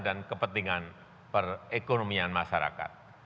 dan kepentingan perekonomian masyarakat